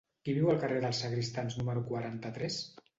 Qui viu al carrer dels Sagristans número quaranta-tres?